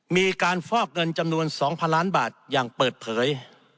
ฟอกเงินจำนวน๒๐๐ล้านบาทอย่างเปิดเผย